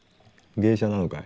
芸者なのかい？